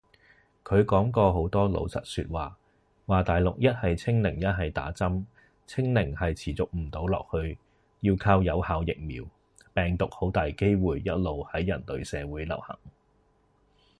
佢講過好多老實說話，話大陸一係清零一係打針，清零係持續唔到落去，要靠有效疫苗，病毒好大機會一路喺人類社會流行